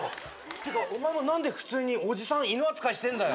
てかお前も何で普通におじさん犬扱いしてんだよ。